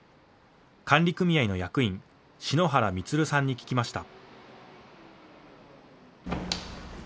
管理組合の役員、篠原満さんに聞きました。